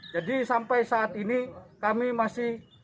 jadi sampai saat ini kami masih